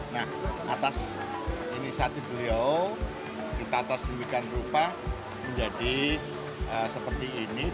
nah atas ini saat di beliau di atas demikan rupa menjadi seperti ini